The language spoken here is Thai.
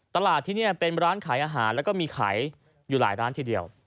ตลาดที่นี่เป็นร้านขายอาหารแล้วก็มีขายอยู่หลายร้านทีเดียว